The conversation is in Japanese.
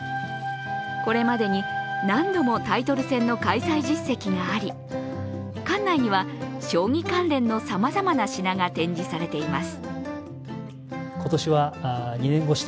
これまでに何度もタイトル戦の開催実績があり、館内には将棋関連のさまざまな品が展示されています。